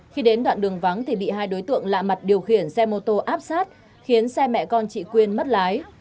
khi đến đoạn đường vắng thì bị hai đối tượng lạ mặt điều khiển xe mô tô áp sát khiến xe mẹ con chị quyên mất lái